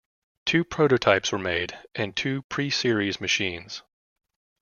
Two prototypes were made and two pre-series machines.